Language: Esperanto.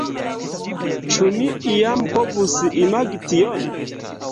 Ĉu mi iam povus imagi tion?